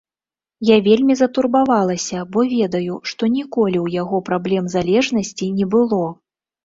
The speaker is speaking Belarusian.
Я вельмі затурбавалася, бо ведаю, што ніколі ў яго праблем залежнасці не было.